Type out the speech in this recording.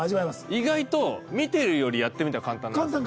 意外と見てるよりやってみたら簡単なんですよね。